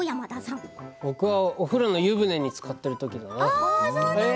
僕はお風呂の湯船につかっている時だね。